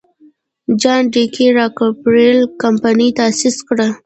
جان ډي راکلفیلر کمپنۍ تاسیس کړه.